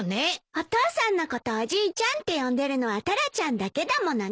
お父さんのことおじいちゃんって呼んでるのはタラちゃんだけだものね。